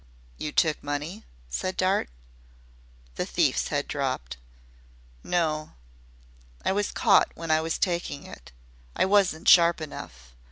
"You took money?" said Dart. The thief's head dropped. "No. I was caught when I was taking it. I wasn't sharp enough.